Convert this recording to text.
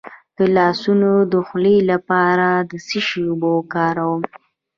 د لاسونو د خولې لپاره د څه شي اوبه وکاروم؟